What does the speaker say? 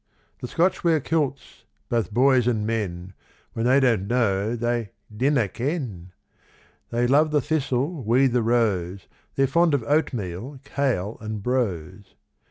The Scotch wear kilts both boys and men, When they don't know, they "dinna ken." They love the thistle, we the rose, They're fond of oatmeal, kail, and brose.